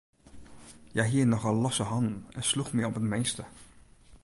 Hja hie nochal losse hannen en sloech my om it minste.